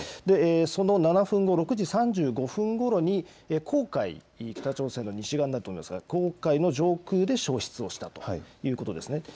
その７分後、６時３５分ごろに、黄海、北朝鮮の西側になりますが、黄海の上空で消失をしたということですね。